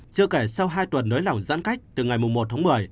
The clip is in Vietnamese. chưa kể sau hai tuần nới lỏng giãn cách từ ngày một tháng một mươi